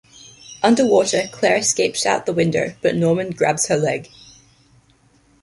Underwater, Claire escapes out the window, but Norman grabs her leg.